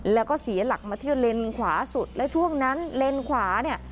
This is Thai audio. แล้วก็เสียหลักมาเที่ยวเลนขวาสุดและช่วงนั้นเลนขวาเนี่ย